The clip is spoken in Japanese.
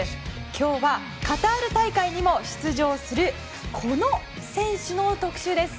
今日はカタール大会にも出場するこの選手の特集です。